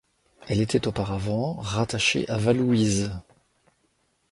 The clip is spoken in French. Elle était auparavant rattachée à Vallouise.